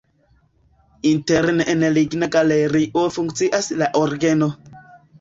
Interne en ligna galerio funkcias la orgeno.